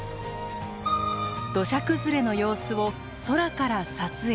土砂崩れの様子を空から撮影。